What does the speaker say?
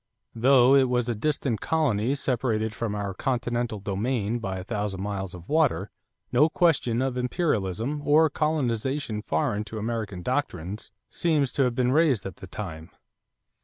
Though it was a distant colony separated from our continental domain by a thousand miles of water, no question of "imperialism" or "colonization foreign to American doctrines" seems to have been raised at the time.